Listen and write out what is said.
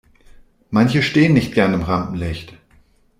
Manche stehen nicht gerne im Rampenlicht.